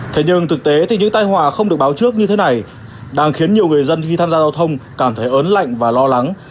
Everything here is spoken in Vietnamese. thế nhưng thực tế thì những tai hòa không được báo trước như thế này đang khiến nhiều người dân khi tham gia giao thông cảm thấy ớn lạnh và lo lắng